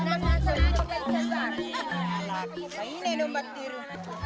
lalu apa ini nombak diri